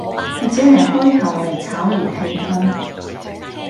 我只係開頭嚟炒熱氣氛